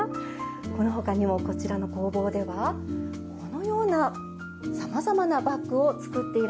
このほかにもこちらの工房ではこのようなさまざまなバッグを作っていらっしゃいます。